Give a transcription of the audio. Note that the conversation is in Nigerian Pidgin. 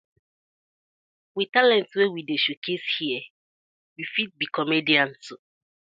With talent wey we dey show case here we fit be comedians.